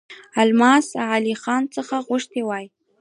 د الماس علي خان څخه غوښتي وای.